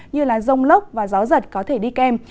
như rông lốc và gió giật có thể đi kèm